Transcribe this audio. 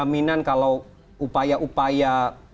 kemungkinan kalau upaya upaya